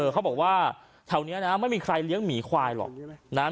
เขาบอกว่าแถวนี้นะไม่มีใครเลี้ยงหมีควายหรอกนะ